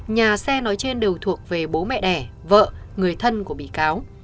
nhà xe nói trên đều thuộc về bố mẹ đẻ vợ người thân của bị cáo